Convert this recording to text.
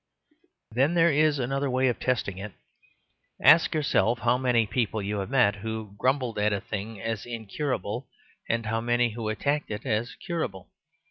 Then there is another way of testing it: ask yourself how many people you have met who grumbled at a thing as incurable, and how many who attacked it as curable?